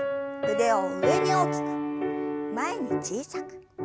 腕を上に大きく前に小さく。